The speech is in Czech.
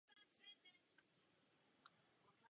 K čemu došlo?